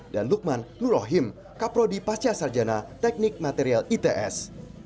dan lukman nurrohim kaprodi pasca sarjana teknik material its